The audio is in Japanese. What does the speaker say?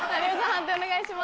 判定お願いします。